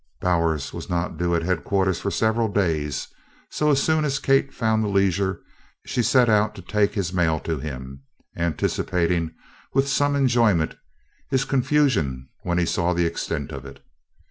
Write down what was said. Bowers was not due at headquarters for several days, so as soon as Kate found the leisure she set out to take his mail to him, anticipating with some enjoyment his confusion when he saw the extent of it.